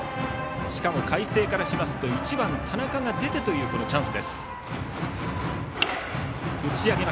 しかも海星からしますと１番、田中が出てというチャンス。